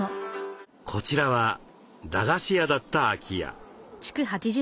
こちらは駄菓子屋だった空き家。